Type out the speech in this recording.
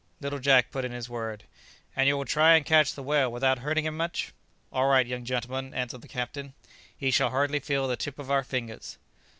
Little Jack put in his word, "And you will try and catch the whale without hurting him much?" "All right, young gentleman," answered the captain; "he shall hardly feel the tip of our fingers!"